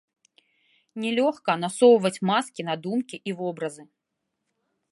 Не лёгка насоўваць маскі на думкі і вобразы.